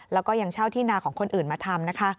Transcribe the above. แล้วก็ยังเช่าที่นาของคนอื่นมาทำนะคะ